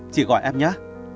chị gọi em nhé